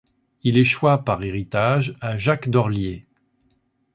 Il échoit par héritage à Jacques d'Orlyé.